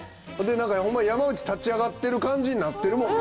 ホンマ山内立ち上がってる感じになってるもんね。